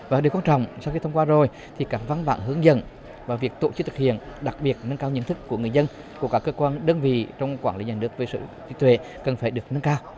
và điều quan trọng sau khi thông qua rồi thì các văn bản hướng dẫn và việc tổ chức thực hiện đặc biệt nâng cao nhận thức của người dân của các cơ quan đơn vị trong quản lý nhà nước về sở hữu trí tuệ cần phải được nâng cao